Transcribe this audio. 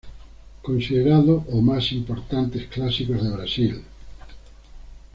Considerado o más importantes clásicos de Brasil.